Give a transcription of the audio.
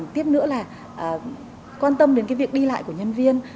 tiếp nữa là quan tâm đến cái việc đi lại của nhân viên